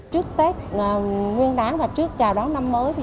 trước tết nguyên đáng và trước chào đón năm mới